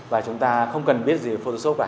và chúng ta không cần biết gì về photoshop cả